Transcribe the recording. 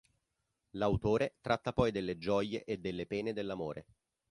L'autore tratta poi delle gioie e delle pene dell'amore.